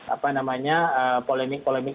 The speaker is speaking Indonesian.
apa namanya polemik polemik